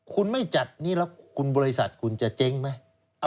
คุณไม่จัดนี่แล้วคุณบริษัทคุณจะเจ๊งไหม